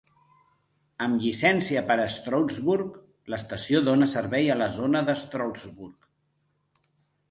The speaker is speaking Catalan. Amb llicència per a Stroudsburg, l'estació dona servei a la zona de Stroudsburg.